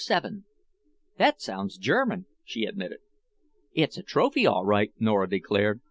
"That sounds German," she admitted. "It's a trophy, all right," Nora declared.